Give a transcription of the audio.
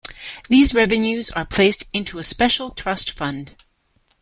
These revenues are placed into a special trust fund.